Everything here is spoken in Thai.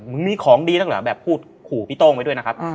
มึงมีของดีแล้วเหรอแบบพูดขู่พี่โต้งไปด้วยนะครับอืม